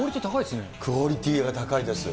クオリティー高いですね。